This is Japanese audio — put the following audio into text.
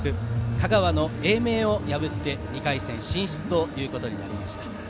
香川の英明を破って２回戦進出となりました。